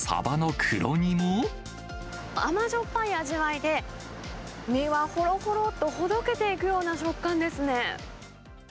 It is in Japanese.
甘じょっぱい味わいで、身はほろほろとほどけていくような食感ですね。